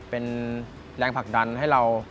เป็นแรงผลักดันให้เรา